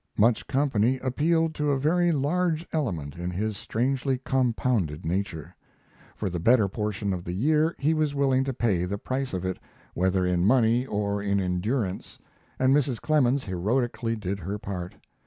Much company appealed to a very large element in his strangely compounded nature. For the better portion of the year he was willing to pay the price of it, whether in money or in endurance, and Mrs. Clemens heroically did her part.